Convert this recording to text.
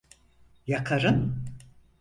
Ya karın?